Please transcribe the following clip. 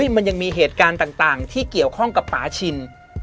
มันยังมีเหตุการณ์ต่างที่เกี่ยวข้องกับป่าชิน